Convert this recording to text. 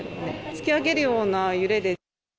突き上げるような揺れで。